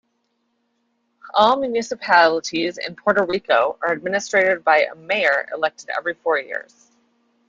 All municipalities in Puerto Rico are administered by a mayor, elected every four years.